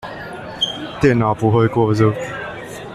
電腦不會過熱